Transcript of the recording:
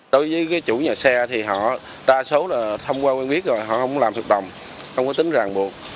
đối với chủ nhà xe thì họ đa số là thông qua quen biết rồi họ không làm thực đồng không có tính ràng buộc